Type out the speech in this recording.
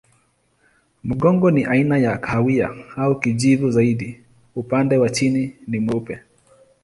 Mgongo ni aina ya kahawia au kijivu zaidi, upande wa chini ni mweupe.